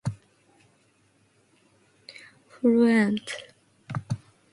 Halton is fluent in French and Russian.